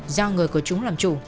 do người của chúng làm chủ